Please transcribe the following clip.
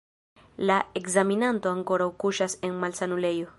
La ekzaminanto ankoraŭ kuŝas en malsanulejo.